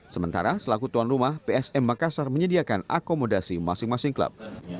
sementara selaku tuan rumah psm makassar menyediakan akomodasi masing masing klub